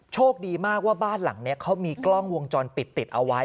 โชคดีมากว่าบ้านหลังนี้เขามีกล้องวงจรปิดติดเอาไว้